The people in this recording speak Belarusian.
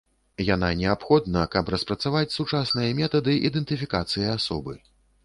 Яна неабходна, каб распрацаваць сучасныя метады ідэнтыфікацыі асобы.